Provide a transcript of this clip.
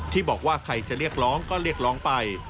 ที่บอกว่าใครจะเรียกร้องก็เรียกร้องไป